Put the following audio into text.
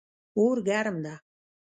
اور ګرم ده